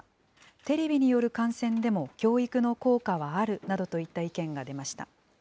テレビによる観戦でも教育の効果はあるなどといった意見が出ました。